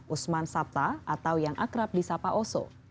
usman sabta atau yang akrab di sapa oso